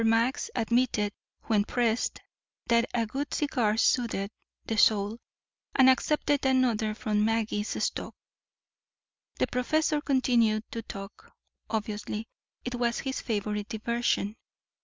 Max admitted when pressed that a good cigar soothed the soul, and accepted another from Magee's stock. The professor continued to talk. Obviously it was his favorite diversion.